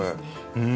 うん。